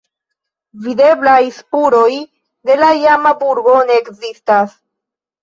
Videblaj spuroj de la iama burgo ne ekzistas.